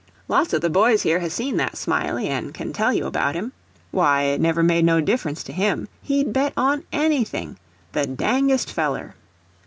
Lots of the boys here has seen that Smiley and can tell you about him. Why, it never made no difference to him—he'd bet on any thing—the dangest feller.